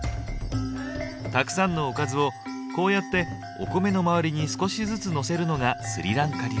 たくさんのおかずをこうやってお米の周りに少しずつのせるのがスリランカ流。